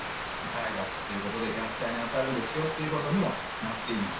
体罰ということで虐待にあたるんですよっていうことにはなっています。